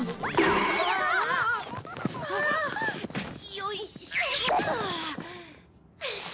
よいしょっと！